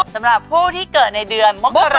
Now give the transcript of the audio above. สำหรับผู้ที่เกิดในเดือนมกรา